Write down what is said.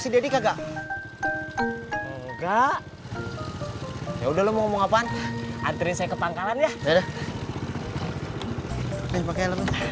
si deddy kagak enggak ya udah lu ngomong apaan anterin saya ke pangkalan ya udah udah